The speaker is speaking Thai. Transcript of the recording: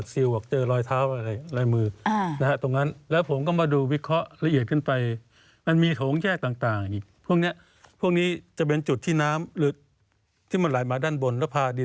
คือผมรู้ว่าตรงนี้มันน้ำท่วมแน่